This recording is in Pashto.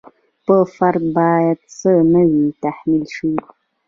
په فرد باید څه نه وي تحمیل شوي.